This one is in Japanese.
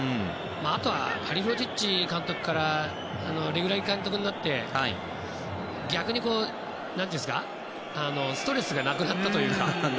あとは、ハリルホジッチ監督からレグラギ監督になって逆にストレスがなくなったというか。